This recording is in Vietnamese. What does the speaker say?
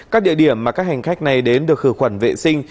các địa điểm mà các hành khách này đến được khử khuẩn vệ sinh